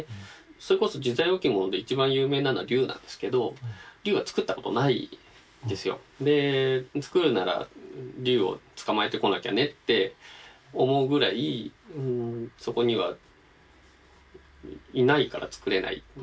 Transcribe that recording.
それこそ自在置物で一番有名なのは竜なんですけど竜は作ったことないんですよ。で作るなら竜を捕まえてこなきゃねって思うぐらいそこにはいないから作れない。